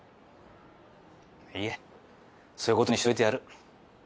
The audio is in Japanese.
いいやそういうことにしといてやる。